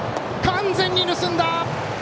完全に盗んだ！